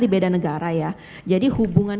di beda negara ya jadi hubungan